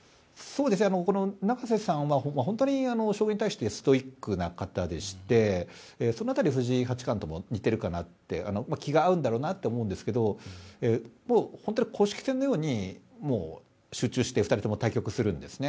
永瀬さんは本当に将棋に対してストイックな方でしてその辺り藤井八冠とも似てるかなと気が合うんだろうなと思うんですけど本当に公式戦のように集中して２人とも対局するんですね。